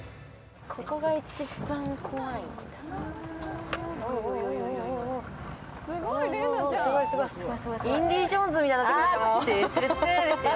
ここが一番怖いな。